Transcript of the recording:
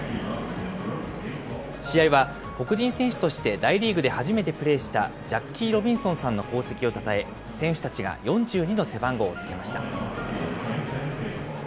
試合は黒人選手として大リーグで初めてプレーした、ジャッキー・ロビンソンさんの功績をたたえ、選手たちが４２の背番号をつけました。